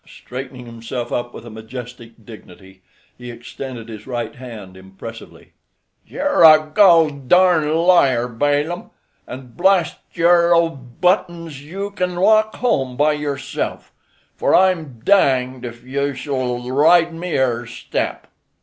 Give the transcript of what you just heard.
Straightening himself up with a majestic dignity, he extended his right hand impressively. "You're a goldarn liar, Balaam, and, blast your old buttons, you kin walk home by yourself, for I'm danged if you sh'll ride me er step."